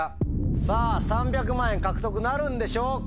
さぁ３００万円獲得なるんでしょうか？